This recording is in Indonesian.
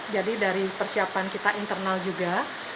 jadi dari persiapan kita internal juga